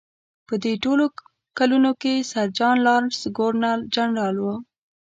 په دې ټولو کلونو کې سر جان لارنس ګورنر جنرال و.